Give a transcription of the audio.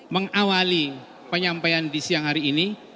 mengawali penyampaian di siang hari ini